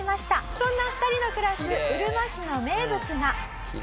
そんな２人の暮らすうるま市の名物が。